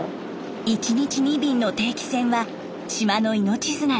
１日２便の定期船は島の命綱です。